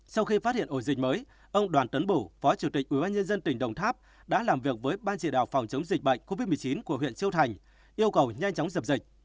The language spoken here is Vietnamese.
sau khi phát hiện ổ dịch mới ông đoàn tấn bủ phó chủ tịch ubnd tỉnh đồng tháp đã làm việc với ban chỉ đạo phòng chống dịch bệnh covid một mươi chín của huyện châu thành yêu cầu nhanh chóng dập dịch